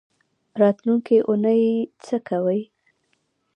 راتلونکۍ اونۍ څه کوئ؟